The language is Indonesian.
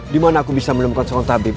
dimana aku bisa menemukan seorang tabib